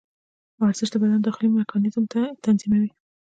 ورزش د بدن داخلي میکانیزم تنظیموي.